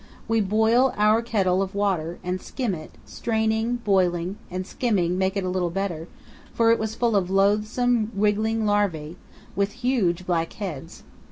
We boil our kettle of water, and skim it; straining, boiling, and skimming make it a little better, for it was full of loathsome, wriggling larvae, with huge black heads.